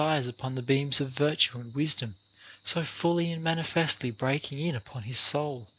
eyes upon the beams of virtue and wisdom so fully and manifestly breaking in upon his soul?